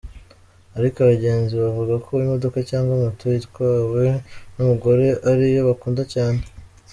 Ariko abagenzi bavuga ko imodoka cyangwa moto itwawe n’umugore ari yo bakunda cyane.